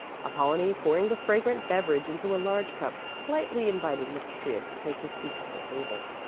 Apollonie, pouring the fragrant beverage into a large cup, politely invited Mr. Trius to take his seat at the table.